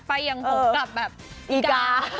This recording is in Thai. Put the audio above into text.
ไปอย่างผมกลับแบบอีกา